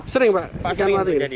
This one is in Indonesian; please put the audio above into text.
sering pak ikan mati